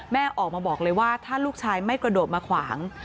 แม่ออกมาบอกเลยว่าถ้าลูกชายไม่กระโดดมาขวาง